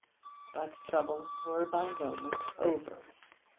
But troubles were by no means over.